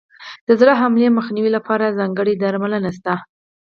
د زړه حملې مخنیوي لپاره ځانګړي درمل شته.